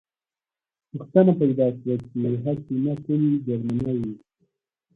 پوښتنه پیدا شوه چې هسې نه کوم جرمنی وي